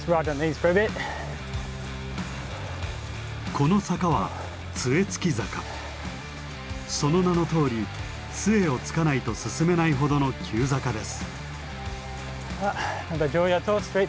この坂はその名のとおり杖をつかないと進めないほどの急坂です。